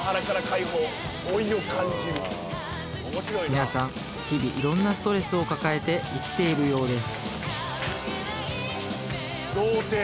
皆さん日々いろんなストレスを抱えて生きているようです